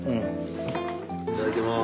いただきます。